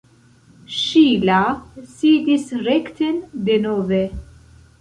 Ŝila sidis rekten denove.